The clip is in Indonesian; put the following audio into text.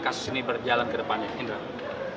kasus ini berjalan ke depannya indra